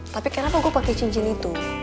tapi kenapa aku pakai cincin itu